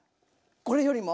これよりも？